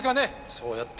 そうやって。